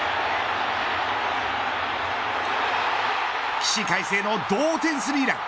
起死回生の同点スリーラン。